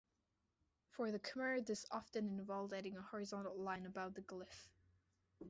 For the Khmer this often involved adding a horizontal line above the glyph.